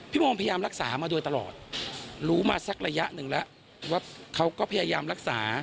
โมงพยายามรักษามาโดยตลอดรู้มาสักระยะหนึ่งแล้วว่าเขาก็พยายามรักษา